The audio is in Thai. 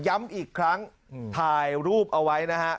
ย้ำอีกครั้งถ่ายรูปเอาไว้นะฮะ